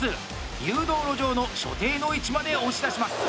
誘導路上の所定の位置まで押し出します。